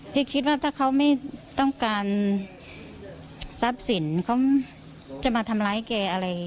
คิดว่าถ้าเขาไม่ต้องการทรัพย์สินเขาจะมาทำร้ายแกอะไร